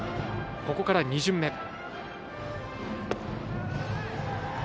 ここから２巡目。